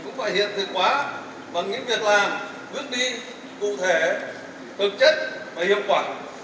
cũng phải hiện thực hóa bằng những việc làm bước đi cụ thể thực chất và hiệu quả